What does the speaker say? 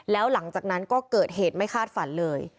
แล้วหลังจากนั้นก็เกิดเหตุไม่คาดฝันเลย